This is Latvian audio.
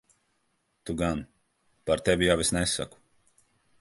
Tu gan. Par tevi jau es nesaku.